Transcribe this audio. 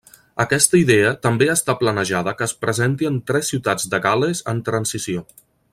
Aquesta idea també està planejada que es presenti en tres ciutats de Gal·les en transició.